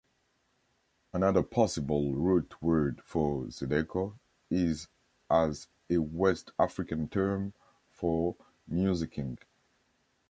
Another possible root word for zydeco is as a West African term for "musicking".